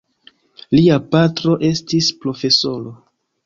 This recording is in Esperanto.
Lia patro estis profesoro.